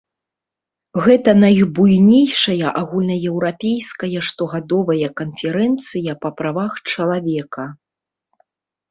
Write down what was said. Гэта найбуйнейшая агульнаеўрапейская штогадовая канферэнцыя па правах чалавека.